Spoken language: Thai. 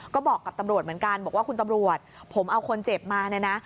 ก็บอกกับตำรวจเหมือนกันบอกว่าคุณตำรวจผมเอาคนเจ็บมาเนี่ยนะ